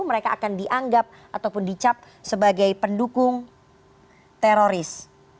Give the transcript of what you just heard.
mereka akan dianggap ataupun dicap sebagai pendukung teroris